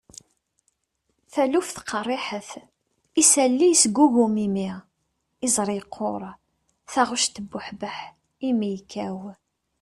taluft qerriḥet, isalli yesgugum imi, iẓri yeqquṛ, taɣect tebbuḥbeḥ, imi yekkaw